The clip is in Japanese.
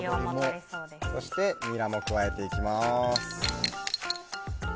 そして、ニラも加えていきます。